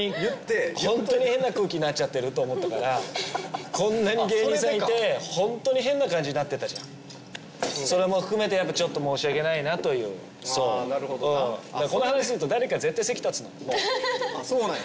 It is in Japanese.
ホントに変な空気になっちゃってると思ったからこんなに芸人さんいてホントに変な感じになってたじゃんそれも含めて何かちょっと申し訳ないなというあなるほどなこの話すると誰か絶対席立つのそうなんや！